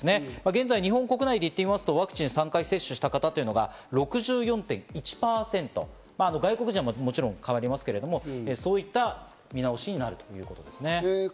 現在日本国内でいいますと、ワクチンを３回接種した方というのが６１％、外国人の方はもちろん変わりますけれども、そういった見直しになるということですね。